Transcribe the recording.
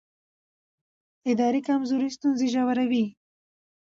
اداري کمزوري ستونزې ژوروي